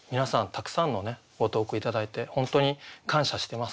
たくさんのご投句頂いて本当に感謝してます。